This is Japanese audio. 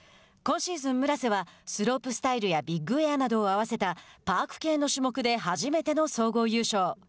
今シーズン村瀬はスロープスタイルやビッグエアなどを合わせたパーク系の種目で初めての総合優勝。